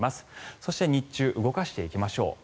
そして、日中動かしていきましょう。